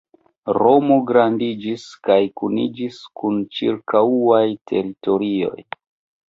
Romo grandiĝis kaj kuniĝis kun ĉirkaŭaj teritorioj.